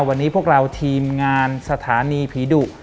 วันนี้พวกเราทีมงานสถานีผีดุ